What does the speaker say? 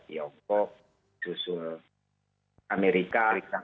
tiongkok susul amerika